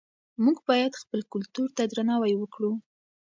موږ باید خپل کلتور ته درناوی وکړو.